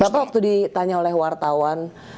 bapak waktu ditanya oleh wartawan